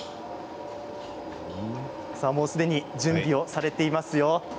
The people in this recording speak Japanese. もうすでに準備をされていますよ。